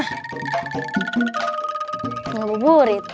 ke labu burit